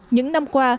những năm qua